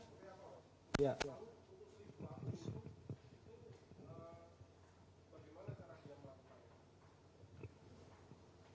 itu bagaimana cara saya melakukannya